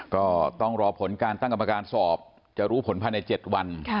ก็ต้องรอผลการตั้งกรรมการสอบจะรู้ผลภายใน๗วัน